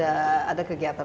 ada kegiatan lagi lain membuat